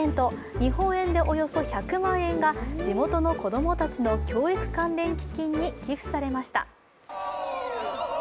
日本円でおよそ１００万円が地元の子供たちの教育関連基金に寄付されました。